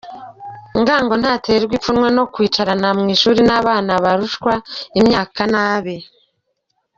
Ngango ntaterwa ipfunwe no kwicarana mu ishuri n'abana barushwa imyaka n'abe.